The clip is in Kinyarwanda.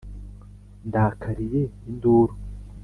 ndakariye induru